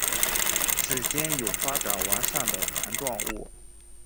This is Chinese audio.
趾尖有发展完善的盘状物。